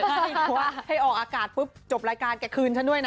ใช่เพราะว่าให้ออกอากาศปุ๊บจบรายการแกคืนฉันด้วยนะ